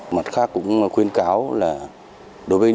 mặt khác cũng khuyên cáo